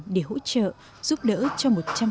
để hỗ trợ giúp đỡ cho một trăm linh